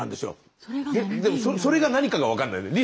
でもそれが何かが分かんない。